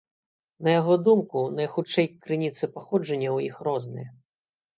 На яго думку, найхутчэй крыніцы паходжання ў іх розныя.